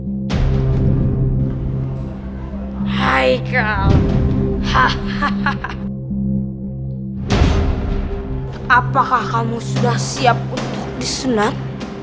hai hai hai hai hai apakah kamu sudah siap untuk disunat